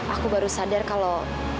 aku baru sadar kalau